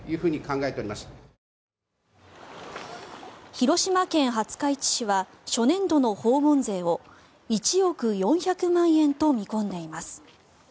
広島県廿日市市は初年度の訪問税を１億４００万円と見込んでいます。